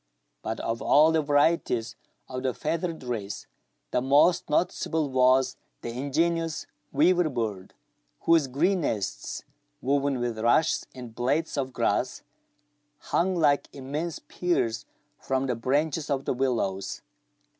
But of all the varieties of the feathered race, the most noticeable was the ingenious weaver bird, whose green nests, woven with rushes and blades of grass, hung like immense pears from the branches of the willows.